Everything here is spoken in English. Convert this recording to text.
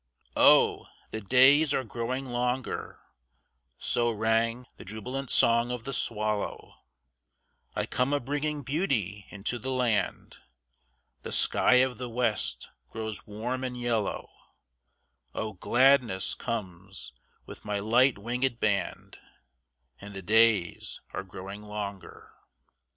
Oh, the days are growing longer; So rang the jubilant song of the swallow; I come a bringing beauty into the land, The sky of the West grows warm and yellow, Oh, gladness comes with my light winged band, And the days are growing longer.